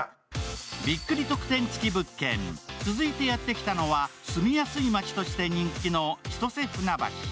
びっくり特典付き物件、続いてやってきたのは住みやすい街として人気の千歳船橋。